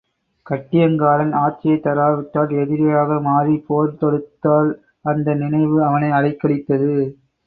கட்டியங்காரன் ஆட்சியைத் தராவிட்டால், எதிரியாக மாறிப் போர் தொடுத்தால் அந்த நினைவு அவனை அலைக்கழித்தது.